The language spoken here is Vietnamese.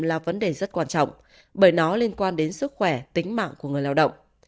là vấn đề rất quan trọng bởi nó liên quan đến sức khỏe tính mạng của người lao động